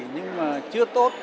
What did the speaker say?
nhưng mà chưa tốt